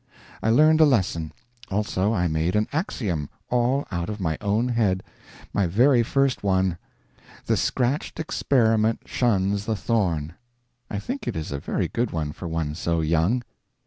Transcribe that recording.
I learned a lesson; also I made an axiom, all out of my own head my very first one; The scratched experiment shuns the thorn. I think it is a very good one for one so young.